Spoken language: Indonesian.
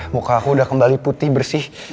muka aku udah kembali putih bersih